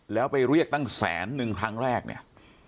แล้วไปเรียกตั้งแสนนึงครั้งแรกเนี่ย